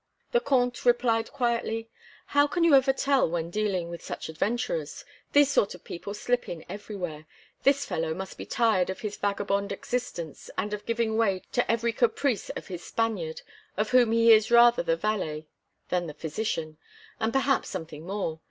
The Comte replied quietly: "How can you ever tell when dealing with such adventurers? These sort of people slip in everywhere. This fellow must be tired of his vagabond existence, and of giving way to every caprice of his Spaniard, of whom he is rather the valet than the physician and perhaps something more.